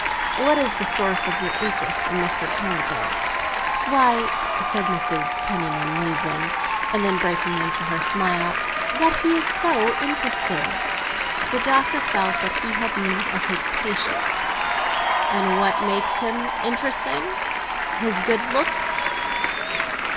What is the source of your interest in Mr. Townsend?" "Why," said Mrs. Penniman, musing, and then breaking into her smile, "that he is so interesting!" The Doctor felt that he had need of his patience. "And what makes him interesting?—his good looks?"